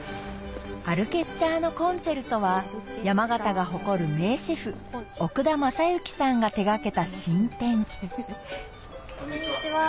アル・ケッチァーノコンチェルトは山形が誇る名シェフ奥田政行さんが手掛けた新店こんにちは。